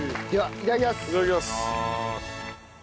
いただきます。